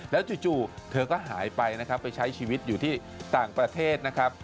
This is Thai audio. แล้วจู่เธอก็หายไปนะครับไปใช้ชีวิตอยู่ที่ต่างประเทศนะครับ